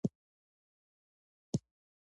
د هغه درمل او دوا په بدني حرکتونو کې ده.